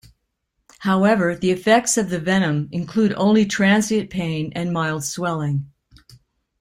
However, the effects of the venom include only transient pain and mild swelling.